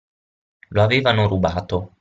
Lo avevano rubato.